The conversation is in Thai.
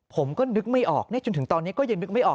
ผมก็นึกไม่ออกจนถึงตอนนี้ก็ยังนึกไม่ออก